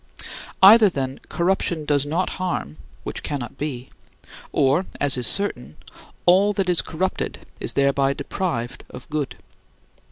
Either, then, corruption does not harm which cannot be or, as is certain, all that is corrupted is thereby deprived of good.